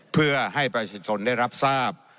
เพื่อให้ประชาชนได้รับทราบ